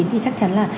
thì chắc chắn là